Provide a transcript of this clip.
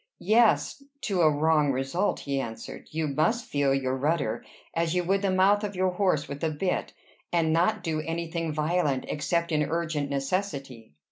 "Yes to a wrong result," he answered. "You must feel your rudder, as you would the mouth of your horse with the bit, and not do any thing violent, except in urgent necessity."